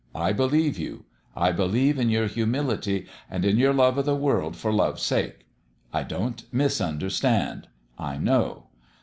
I believe you. I believe in your humility an* in your love o' the world for Love's sake. I don't misunderstand : I know.